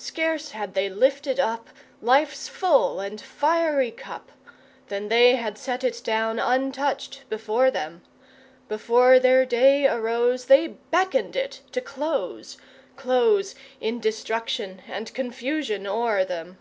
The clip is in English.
Scarce had they lifted up Life's full and fiery cup, Than they had set it down untouched before them. Before their day arose They beckoned it to close Close in destruction and confusion o'er them.